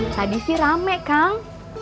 tadi sih rame kang